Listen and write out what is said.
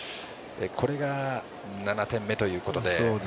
これが７点目ということで。